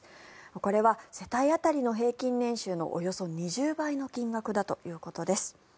これは世帯当たりの平均年収のおよそ２０倍の金額だということです。